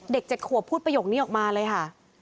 เด็กเจ็ดขัวพูดประโยคนี้ออกมาเลยค่ะ